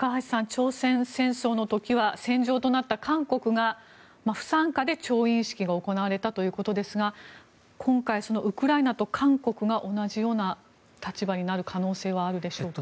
朝鮮戦争の時は戦場となった韓国が不参加で調印式が行われたということですが今回、ウクライナと韓国が同じような立場になる可能性はあるでしょうか。